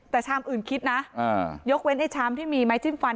แต่ชามอื่นคิดนะยกเว้นไอ้ชามที่มีไม้จิ้มฟัน